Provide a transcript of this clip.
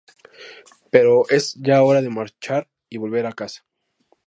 Pero es ya hora de marchar y volver a casa.